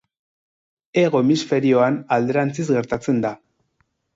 Hego hemisferioan alderantziz gertatzen da.